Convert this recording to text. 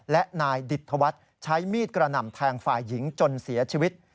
และนายดิตธวัฒน์ใช้มีดกระหน่ำแทงฝ่ายหญิงจนเสียชีวิต